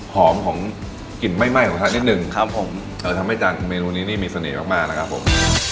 ของกลิ่นไหม้ของไทยนิดนึงครับผมทำให้จานเมนูนี้นี่มีเสน่ห์มากมากนะครับผม